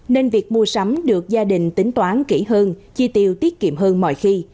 nên việc mua sắm được gia đình tính toán kỹ hơn chi tiêu tiết kiệm hơn mọi khi